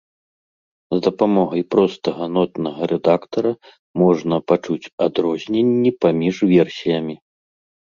З дапамогай простага нотнага рэдактара можна пачуць адрозненні паміж версіямі.